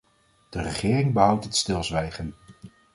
De regering behoudt het stilzwijgen.